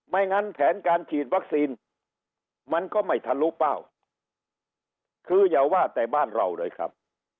งั้นแผนการฉีดวัคซีนมันก็ไม่ทะลุเป้าคืออย่าว่าแต่บ้านเราเลยครับ